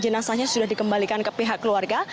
jenazahnya sudah dikembalikan ke pihak keluarga